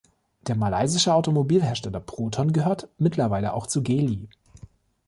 Der malaysische Automobilhersteller Proton gehört mittlweile auch zu Geely.